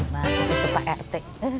masih itu pak rt